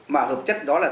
mà hợp chất đó là